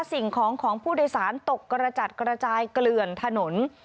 สิ่งของของผู้โดยสารตกกระจัดกระจายเกลื่อนถนน